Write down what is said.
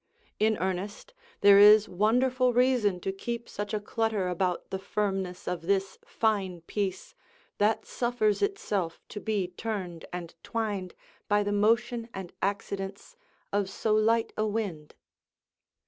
In earnest, there is wonderful reason to keep such a clutter about the firmness of this fine piece, that suffers itself to be turned and twined by the motion and accidents of so light a wind.